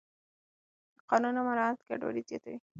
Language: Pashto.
د قانون نه مراعت ګډوډي زیاتوي